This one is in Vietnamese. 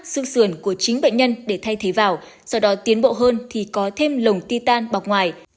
xương sườn của chính bệnh nhân để thay thế vào sau đó tiến bộ hơn thì có thêm lồng ti tàn bọc ngoài